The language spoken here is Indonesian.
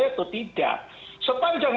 atau tidak sepanjang